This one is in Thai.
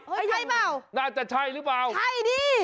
ใช่เปล่าน่าจะใช่หรือเปล่าใช่ดิ